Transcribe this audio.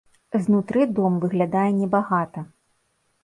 Знутры дом выглядае небагата.